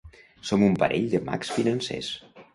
Som un parell de mags financers.